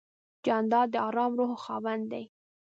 جانداد د آرام روح خاوند دی.